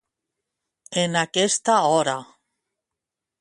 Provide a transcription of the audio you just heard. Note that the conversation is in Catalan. En aquesta hora.